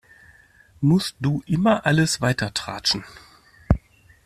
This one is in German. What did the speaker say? Musst du immer alles weitertratschen?